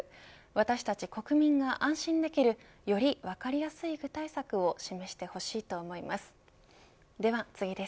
私たち国民が安心できるより分かりやすい具体策を示してほしいと思います。